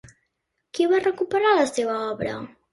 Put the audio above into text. Qui va recuperar la seva obra?